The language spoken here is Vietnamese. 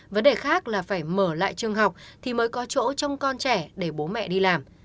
vấn đề khác là phải mở lại trường học thì mới có chỗ trong con trẻ để bố mẹ đi làm